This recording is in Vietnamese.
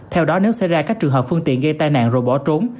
theo đó nếu xảy ra các trường hợp phương tiện gây tai nạn rồi bỏ trốn